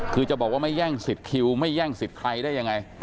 คือจะบอกว่าไม่แย่งสิทธิ์คิวไม่แย่งสิทธิ์ใครได้ยังไง